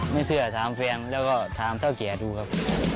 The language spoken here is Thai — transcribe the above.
ไม่เชื่อถามเพียงและก็ถามเท่าเกียร์ดูครับ